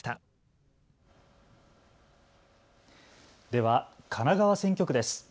では神奈川選挙区です。